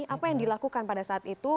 apa yang dilakukan pada saat itu